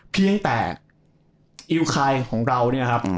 เพียงแต่อิวคายของเราเนี่ยครับ